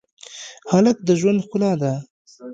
هلک د ژوند ښکلا ده.